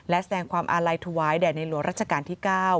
และแสดงความอาลัยถวายแด่ในหลวงรัชกาลที่๙